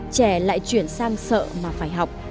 trẻ lại chuyển sang sợ mà phải học